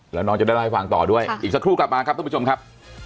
แล้วน้องจะได้เล่าให้ฟังต่อด้วยอีกสักครู่กลับมาครับท่านผู้ชมครับ